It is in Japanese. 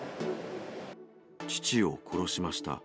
父を殺しました。